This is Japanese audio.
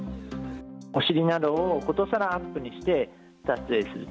お尻などをことさらアップにして撮影する。